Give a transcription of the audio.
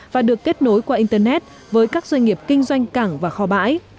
và được kết nối qua internet với các doanh nghiệp kinh doanh cảng và kho bãi